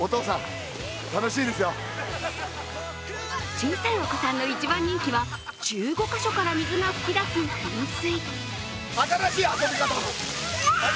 小さいお子さんの一番人気は１５か所から水が噴き出す噴水。